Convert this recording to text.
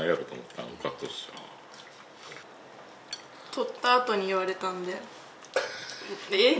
取ったあとに言われたのでえっ？